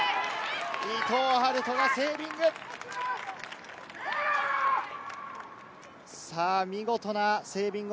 伊藤陽登がセービング。